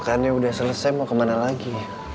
makannya udah selesai mau kemana lagi